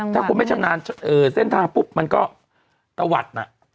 ถ้าคุณไม่ชำนาญเส้นทางปุ๊บมันก็ตะวัดน่ะ